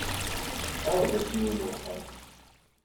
Tɛawed-as i yiwen n wexxam.